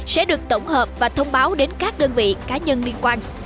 sẽ được tổng hợp và thông báo đến các đơn vị cá nhân liên quan